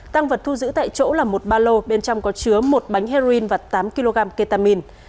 tăng vật thu giữ tại chỗ là một ba lô bên trong có chứa một bánh heroin và tám kg ketamin